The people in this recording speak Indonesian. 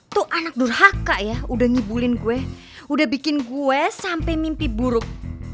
tuh anak durhaka ya udah ngibulin gue udah bikin gue sampai mimpi buruk